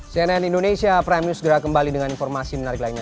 cnn indonesia prime news segera kembali dengan informasi menarik lainnya